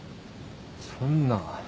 そんな。